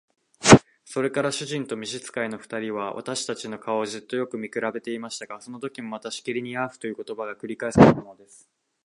それから主人と召使の二人は、私たちの顔をじっとよく見くらべていましたが、そのときもまたしきりに「ヤーフ」という言葉が繰り返されたのです。